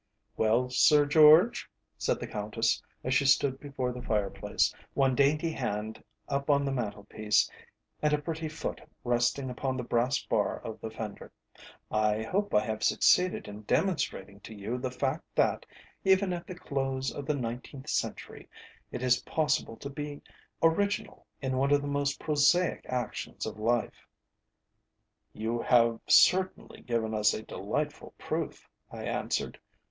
"Well, Sir George," said the Countess, as she stood before the fire place, one dainty hand up on the mantel piece and a pretty foot resting upon the brass bar of the fender, "I hope I have succeeded in demonstrating to you the fact that, even at the close of the Nineteenth Century, it is possible to be original in one of the most prosaic actions of life." "You have certainly given us a delightful proof," I answered.